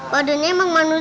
wadahnya emang manusia